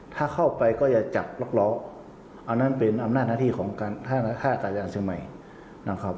ถ้าเข้าไปก็อย่าจับล๊อคล้ออันนั้นเป็นอำนาจหน้าที่ของทะอากาศยานเชียงใหม่